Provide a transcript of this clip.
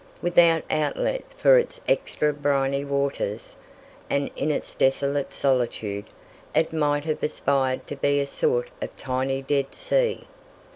Without outlet for its extra briny waters, and in its desolate solitude, it might have aspired to be a sort of tiny Dead Sea.